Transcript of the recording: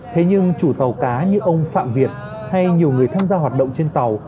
thế nhưng chủ tàu cá như ông phạm việt hay nhiều người tham gia hoạt động trên tàu